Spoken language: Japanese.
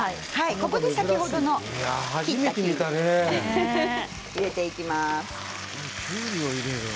ここで先ほどの切ったきゅうり入れていきます。